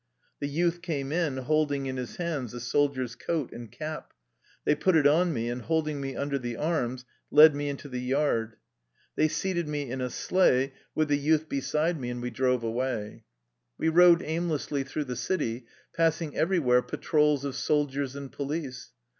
The youth came in, holding in his hands a soldier's coat and cap. They put it on me, and holding me under the arms led me into the yard. They seated me in a sleigh, with the youth be 149 THE LIFE STORY OF A RUSSIAN EXILE side me, and we drove away. We rode aimlessly through the city, passing everywhere patrols of soldiers and police.